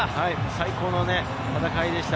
最高の戦いでした。